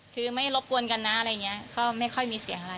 คือไม่รบกวนกันนะอะไรอย่างนี้ก็ไม่ค่อยมีเสียงอะไร